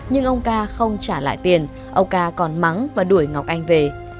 nhưng ông ca không trả lại tiền ông ca còn mắng và đuổi ngọc anh về